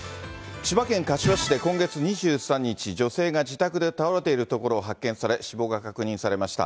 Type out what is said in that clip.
千葉県柏市で今月２３日、女性が自宅で倒れているところを発見され、死亡が確認されました。